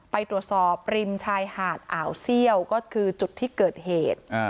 ไปตรวจสอบริมชายหาดอ่าวเซี่ยวก็คือจุดที่เกิดเหตุ